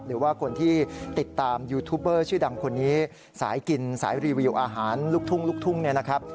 หรือว่าคนที่ติดตามยูทูปเบอร์ชื่อดังคนนี้สายกินสายรีวิวอาหารลูกทุ่งลูกทุ่งเนี่ยนะครับ